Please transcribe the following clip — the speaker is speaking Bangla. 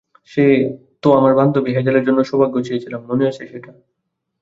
তো, আমার বান্ধবী হ্যাজেলের জন্য সৌভাগ্য চেয়েছিলাম, মনে আছে সেটা?